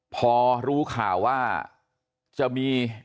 พอรู้ข่าวว่าจะมี